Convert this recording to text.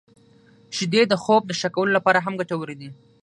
• شیدې د خوب د ښه کولو لپاره هم ګټورې دي.